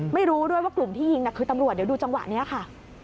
ไม่รู้ด้วยว่ากลุ่มที่ยิงคือตำรวจเดี๋ยวดูจังหวะนี้ค่ะ